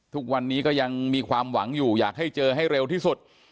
ทุกวันนี้ก็ยังมีความหวังอยู่อยากให้เจอให้เร็วที่สุด